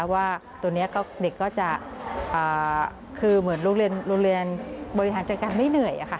ว่าตัวนี้เด็กก็จะคือเหมือนโรงเรียนบริหารจัดการไม่เหนื่อย